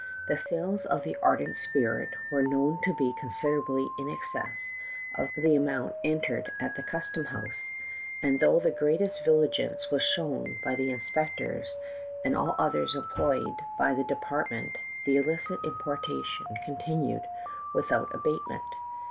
The sales of that ardent spirit were known to be considerably in excess of the amount entered at the custom house, and though the greatest vigilance was shown by the inspectors and all others employed by the depart ment, the illicit importation continued without abatement.